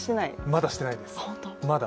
まだしてないです、まだ。